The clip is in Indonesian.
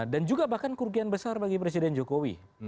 dan juga bahkan kerugian besar bagi presiden jokowi